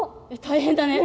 大変だね。